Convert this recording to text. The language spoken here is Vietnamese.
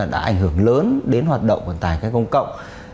đã ảnh hưởng lớn đến hoạt động vận tải khách công cộng